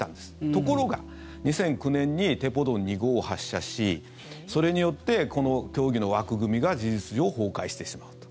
ところが、２００９年にテポドン２号を発射しそれによってこの協議の枠組みが事実上、崩壊してしまうと。